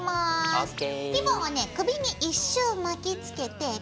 ＯＫ！